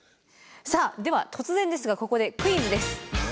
さあでは突然ですがここでクイズです。